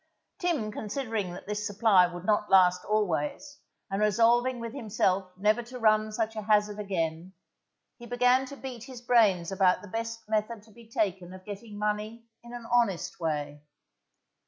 Tim considering that this supply would not last always, and resolving with himself never to run such a hazard again, he began to beat his brains about the best method to be taken of getting money in an honest way.